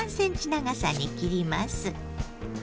長さに切ります。